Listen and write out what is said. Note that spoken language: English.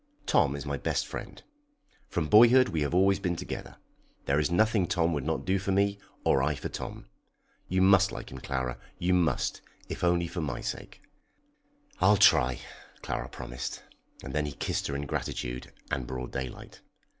Tom is my best friend. From boyhood we have been always together. There is nothing Tom would not do for me, or I for Tom. You must like him, Clara; you must, if only for my sake." "I'll try," Clara promised, and then he kissed her in gratitude and broad daylight.